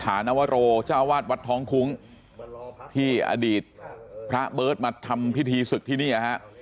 ฐานวโรเจ้าวาดวัดท้องคุ้งที่อดีตพระเบิร์ตมาทำพิธีศึกที่นี่ฮะ